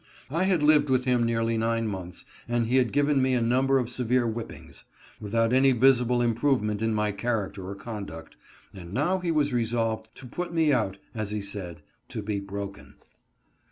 I had lived with him nearly nine months and he had BREAKING YOUNG SLAVES. 139 given me a number of severe whippings, without any vis ible improvement in my character or conduct, and now he was resolved to put me out, as he said, " to be broken."